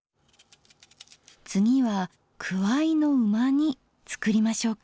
次はくわいの旨煮つくりましょうか。